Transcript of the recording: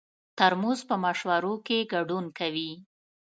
ترموز په مشورو کې ګډون کوي.